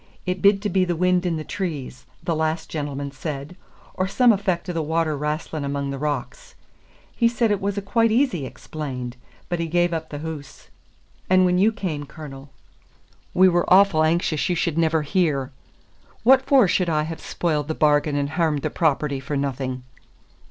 It bid to be the wind in the trees, the last gentleman said, or some effec' o' the water wrastlin' among the rocks. He said it was a' quite easy explained; but he gave up the hoose. And when you cam, Cornel, we were awfu' anxious you should never hear. What for should I have spoiled the bargain and hairmed the property for no thing?"